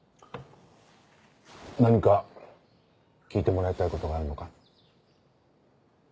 何か聞いてもらいたい事があるのか？